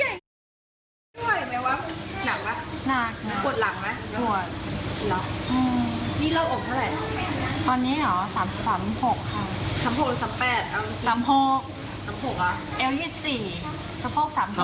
เห็นไหมวะหนักไหม